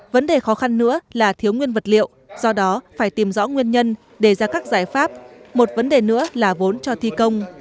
vấn đề khó khăn nữa là thiếu nguyên vật liệu do đó phải tìm rõ nguyên nhân đề ra các giải pháp một vấn đề nữa là vốn cho thi công